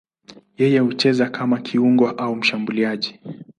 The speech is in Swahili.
Yeye hucheza kama kiungo au mshambuliaji.